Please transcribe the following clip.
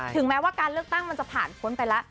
ถึงแม้ว่าการเลือกตั้งมันจะผ่านคนไปละ